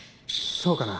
そうかな？